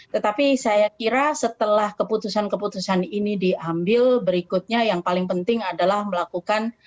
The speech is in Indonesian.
tetapi saya kira setelah keputusan keputusan ini diambil berikutnya yang paling penting adalah melakukan